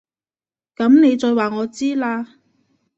噉你再話我知啦